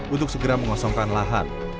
untuk segera mengosongkan lahan